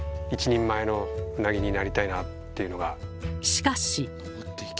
しかし。